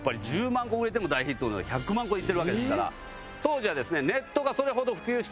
１０万個売れても大ヒットなのに１００万個いってるわけですから。